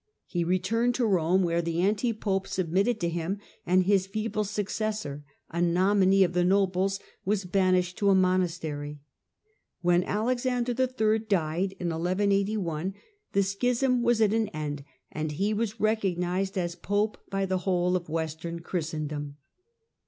He returned to Eome, where the anti pope submitted to him, and his feeble successor, a nominee of the nobles, was banished to a monastery. When Alexander III. died in 1181, the schism was at an end, and he was recognized as Pope by the whole of Western Christendom.